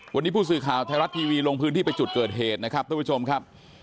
วันนี้ผู้สื่อข่าวไทยรัฐทีวีลงพื้นที่ไปจุดเกิดเหตุนะครับทุกผู้ชมครับ